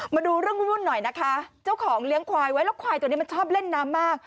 มาดูเรื่องวุ่นหน่อยนะคะเจ้าของเลี้ยงควายไว้แล้วควายตัวนี้มันชอบเล่นน้ำมาก